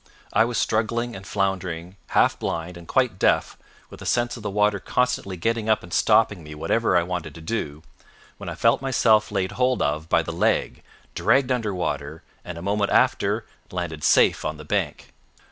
I was struggling and floundering, half blind, and quite deaf, with a sense of the water constantly getting up and stopping me, whatever I wanted to do, when I felt myself laid hold of by the leg, dragged under water, and a moment after landed safe on the bank.